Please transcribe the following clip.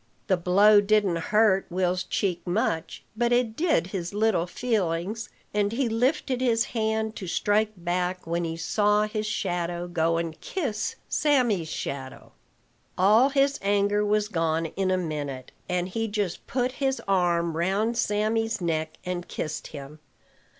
The blow didn't hurt Will's cheek much, but it did his little feelings; and he lifted his hand to strike back, when he saw his shadow go and kiss Sammy's shadow. All his anger was gone in a minute, and he just put his arm round Sammy's neck and kissed him.